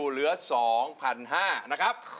เหลือ๒๕๐๐นะครับ